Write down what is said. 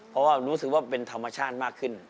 เพราะว่ารู้สึกว่าเป็นธรรมชาติมากขึ้น